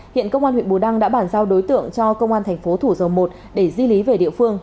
hàng đã bản giao đối tượng cho công an tp thủ dầu một để di lý về địa phương